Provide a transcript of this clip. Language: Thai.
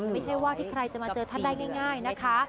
ไม่ใช่ว่าที่ใครจะมาเจอท่านได้ง่ายนะคะ